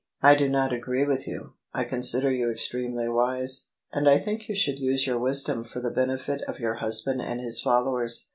" I do not agree with you; I consider you extremely wise; and I think you should use your wisdom for the benefit of your husband and his followers.